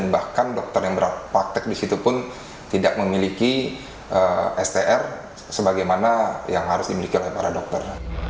bahkan dokter yang berpraktek di situ pun tidak memiliki str sebagaimana yang harus dimiliki oleh para dokter